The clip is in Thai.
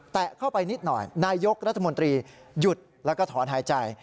เข้าไปนิดหน่อยนายกรัฐมนตรีหยุดแล้วก็ถอนหายใจ